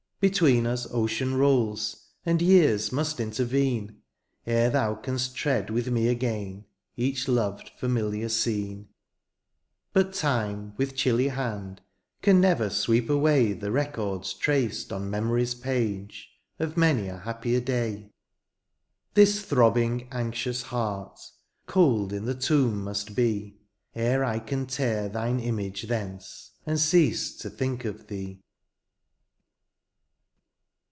Between us ocean rolls ; And years must intervene Ere thou canst tread with me again Each loved familiar scene. 184 SONG. But time^ with chilly hand^ Can never sweep away The records traced on memory^s page^ Of many a happier day. This throbbing^ anxious hearty Cold in the tomb must be^ E^er I can tear thine image thence^ And cease to think of thee.